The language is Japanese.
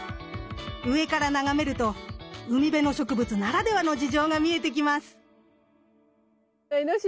上から眺めると海辺の植物ならではの事情が見えてきます。